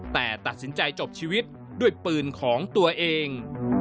แต่ตัดสินใจจบชีวิตด้วยปืนของตัวเอง